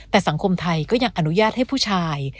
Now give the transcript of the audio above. แต่สังคมไทยก็ยังอนุญาตให้ผู้ชาย